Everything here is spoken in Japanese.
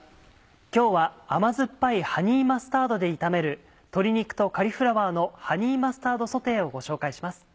今日は甘酸っぱいハニーマスタードで炒める「鶏肉とカリフラワーのハニーマスタードソテー」をご紹介します。